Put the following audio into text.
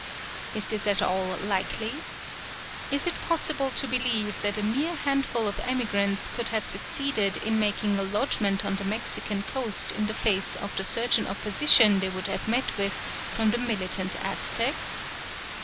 Is this at all likely? Is it possible to believe that a mere handful of emigrants could have succeeded in making a lodgment on the Mexican coast in the face of the certain opposition they would have met with from the militant Aztecs?